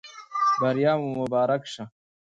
بریا مو مبارک شه